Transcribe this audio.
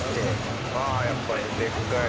ああやっぱりでっかい・。